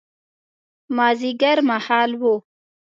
مازیګر مهال و.